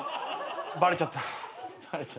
バレちゃった。